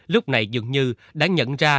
lúc này dường như đã nhận ra